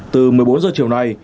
từ một mươi bốn h chiều nay